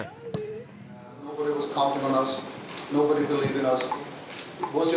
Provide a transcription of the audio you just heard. tidak ada yang mengira kita tidak ada yang percaya pada kita